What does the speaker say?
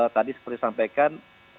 tadi seperti sampaikan